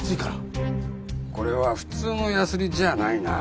これは普通のヤスリじゃないな。